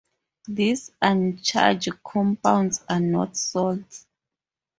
These uncharged compounds are not salts.